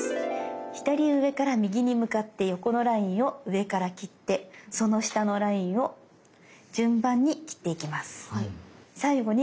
左上から右に向かって横のラインを上から切ってその下のラインを順番に切っていきます。